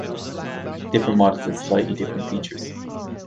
Different models had slightly different features.